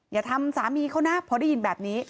อย่าทำสามีเขานะพอได้ยินแบบนี้